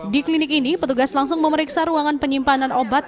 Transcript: di klinik ini petugas langsung memeriksa ruangan penyimpanan obat